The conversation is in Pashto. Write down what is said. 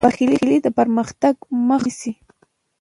بخیلي د پرمختګ مخه نیسي.